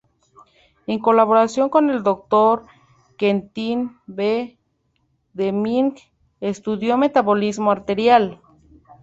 En colaboración con Dr. Quentin B. Deming, estudió metabolismo arterial.